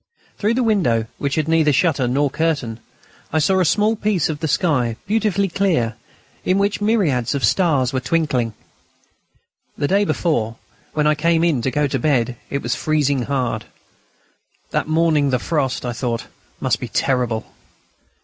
Through the window, which had neither shutter nor curtain, I saw a small piece of the sky, beautifully clear, in which myriads of stars were twinkling. The day before, when I came in to go to bed, it was freezing hard. That morning the frost, I thought, must be terrible.